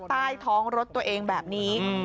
ใต้ท้องรถตัวเองแบบนี้